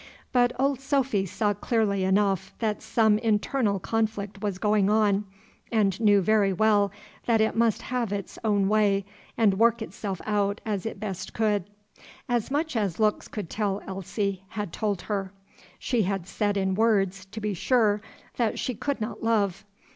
But Old Sophy saw clearly enough that some internal conflict was going on, and knew very well that it must have its own way and work itself out as it best could. As much as looks could tell Elsie had told her. She had said in words, to be sure, that she could not love.